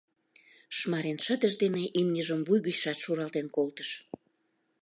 Шмарин шыдыж дене имньыжым вуй гычшат шуралтен колтыш...